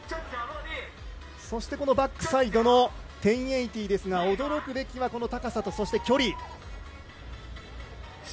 そしてバックサイドの１０８０ですが、驚くべきはこの高さと、そして距離。